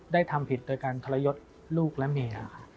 ทำผิดโดยการทรยศลูกและเมีย